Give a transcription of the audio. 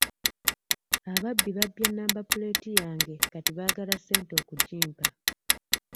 Ababbi babbye namba puleeti yange kati baagala ssente okugimpa.